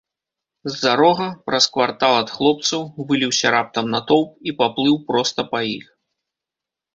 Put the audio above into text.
З-за рога, праз квартал ад хлопцаў, выліўся раптам натоўп і паплыў проста па іх.